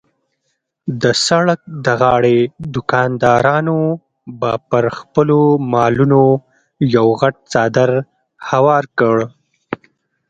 د سړک د غاړې دوکاندارانو به پر خپلو مالونو یو غټ څادر هوار کړ.